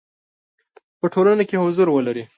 په ټولنه کې حضور ولري.